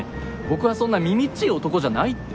僕はそんなみみっちい男じゃないって。